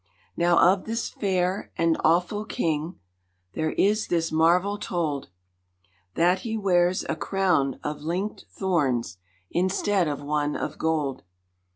Now of this fair and awful King there is this marvel told, That He wears a crown of linked thorns instead of one of gold.